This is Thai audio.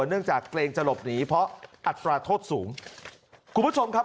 เนื่องจากเกรงจะหลบหนีเพราะอัตราโทษสูงคุณผู้ชมครับ